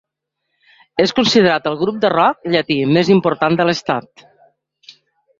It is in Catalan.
És considerat el grup de rock llatí més important de l'Estat.